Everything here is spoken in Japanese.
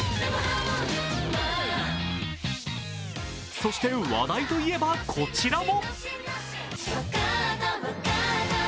そして話題といえば、こちらも。